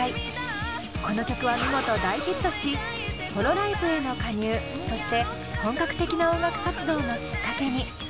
この曲は見事大ヒットしホロライブへの加入そして本格的な音楽活動のきっかけに。